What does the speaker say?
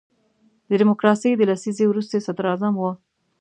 د ډیموکراسۍ د لسیزې وروستی صدر اعظم وو.